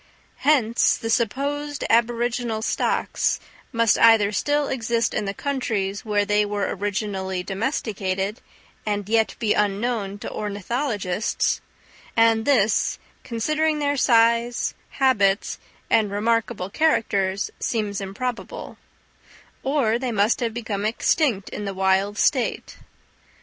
Hence the supposed aboriginal stocks must either still exist in the countries where they were originally domesticated, and yet be unknown to ornithologists; and this, considering their size, habits and remarkable characters, seems improbable; or they must have become extinct in the wild state.